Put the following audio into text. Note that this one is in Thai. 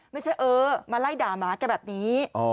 ไม่ใช่เออมาไล่ด่าหมาแกแบบนี้